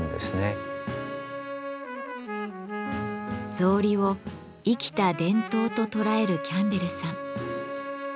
草履を「生きた伝統」と捉えるキャンベルさん。